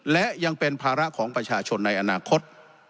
และยังเป็นภาระของประชาชนในอนาคต